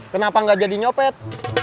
kenapa nggak jadi nyopet